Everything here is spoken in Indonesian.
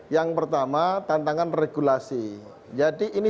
yang pertama tantangan regulasi jadi ini